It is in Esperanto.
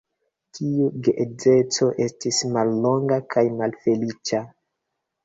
Tiu geedzeco estis mallonga kaj malfeliĉa.